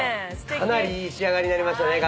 かなりいい仕上がりになりましたね。